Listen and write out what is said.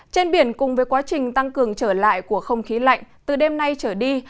trên biển cùng với quá trình tăng cường trở lại của không khí lạnh từ đêm nay trở đi